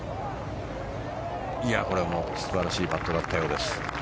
これも素晴らしいパットだったようです。